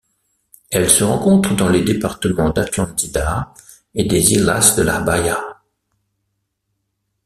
Elle se rencontre dans les départements d'Atlántida et des Islas de la Bahía.